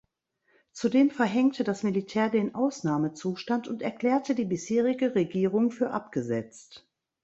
Zudem verhängte das Militär den Ausnahmezustand und erklärte die bisherige Regierung für abgesetzt.